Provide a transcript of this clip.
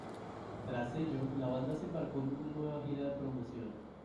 Tras ello, la banda se embarcó en una nueva gira de promoción.